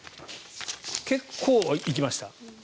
結構行きました。